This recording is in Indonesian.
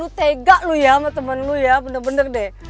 tega loh ya sama temen lu ya bener bener deh